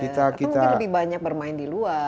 atau mungkin lebih banyak bermain di luar